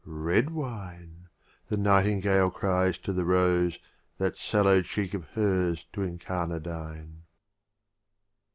" Red Wine !"— the Nightingale cries to the Rose That sallow cheek of hers to* in carnadine.